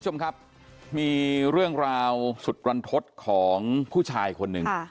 ห้าชมจมครับมีเรื่องราวสุดกลันทดของผู้ชายคนหนึ่งอ่า